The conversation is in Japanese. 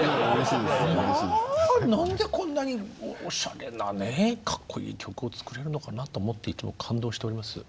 まあ何でこんなにおしゃれなねカッコいい曲を作れるのかなと思って感動しております。